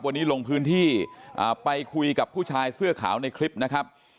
วันนี้ลงพื้นที่ไปคุยกับผู้ชายเสื้อขาวในคลิปนะครับ